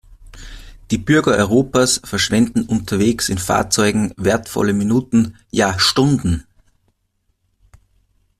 Die Bürger Europas verschwenden unterwegs in Fahrzeugen wertvolle Minuten, ja Stunden.